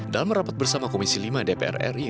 dalam rapat bersama komisi lima dpr ri